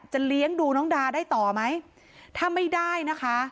เลี้ยงดูน้องดาได้ต่อไหมถ้าไม่ได้นะคะ